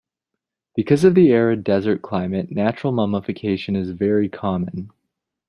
Because of the arid desert climate, natural mummification is very common.